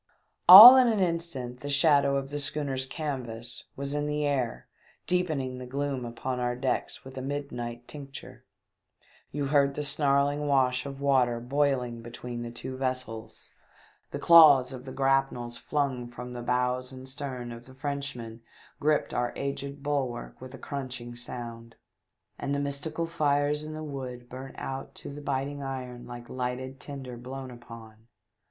All in an instant the shadow of the schooner's canvas was in the air deepening the gloom upon our decks with a midnight tincture ; you heard the snarling wash of water boiling between the two vessels ; the claws of the grapnels tlung from the bows and stern of the Frenchman gripped our aged bulwark with a crunching sound, and the mystical fires in the wood burnt out to the biting iron like lighted tinder blown upon.